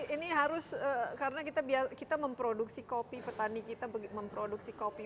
ini harus karena kita memproduksi kopi petani kita memproduksi kopi